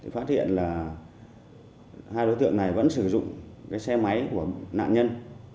phát hiện là hai đối tượng này vẫn sử dụng xe máy của nạn nhân